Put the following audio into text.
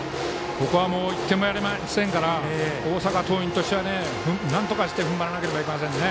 ここは１点もやれませんから大阪桐蔭としてはなんとかして踏ん張らなければいけませんね。